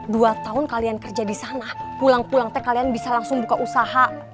dua tahun kalian kerja di sana pulang pulang teh kalian bisa langsung buka usaha